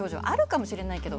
あるかもしれない。